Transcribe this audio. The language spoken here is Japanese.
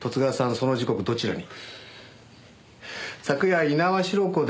その時刻どちらに？